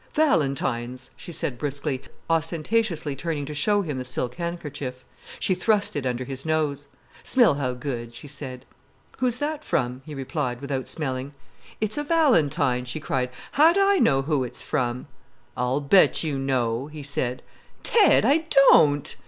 "Valentines," she said briskly, ostentatiously turning to show him the silk handkerchief. She thrust it under his nose. "Smell how good," she said. "Who's that from?" he replied, without smelling. "It's a valentine," she cried. "How do I know who it's from?" "I'll bet you know," he said. "Ted!—I don't!"